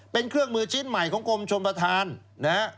เป็นเครื่องมือชิ้นใหม่ของกรมชมประธานนะฮะ